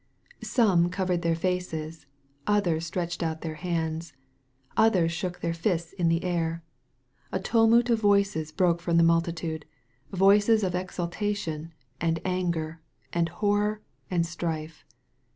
Some covered their faces. Others stretched out their hands. Others shook their fists in the air. A tu mult of voices broke from the multitude — ^voices of exultation, and anger, and horror, and strife.